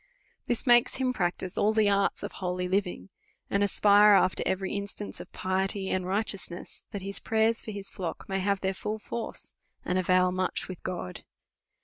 This makes him practice all the arts of holy living , and as pire after every instance of piety and righteousness, that his prayers for his ilock may have their full force, and avail much with God.